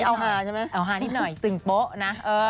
เอาฮาใช่ไหมเอาฮานิดหน่อยตึงโป๊ะนะ